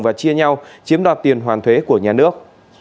và chia nhau chiếm đoạt tiền hoàn thuế của nhà nước